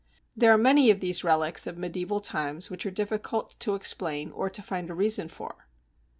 There are many of these relics of medieval times which are difficult to explain or to find a reason for.